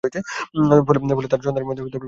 ফলে তাঁর সন্তানদের মধ্যেও বিস্মৃতির প্রবণতা রয়েছে।